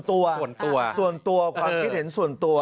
ส่วนตัวความคิดเห็นส่วนตัว